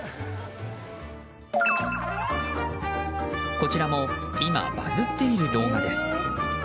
こちらも今バズっている動画です。